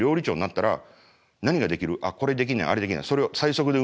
あっこれできないあれできない。